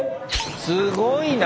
すごいな！